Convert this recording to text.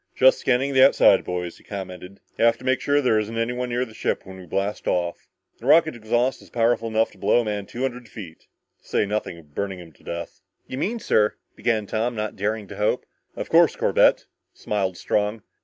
"Just scanning the outside, boys," he commented. "Have to make sure there isn't anyone near the ship when we blast off. The rocket exhaust is powerful enough to blow a man two hundred feet, to say nothing of burning him to death." "You mean, sir " began Tom, not daring to hope. "Of course, Corbett," smiled Strong.